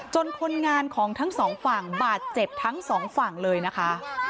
คนงานของทั้งสองฝั่งบาดเจ็บทั้งสองฝั่งเลยนะคะ